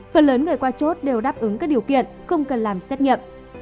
phần lớn người qua chốt đều đáp ứng các điều kiện không cần làm xét nghiệm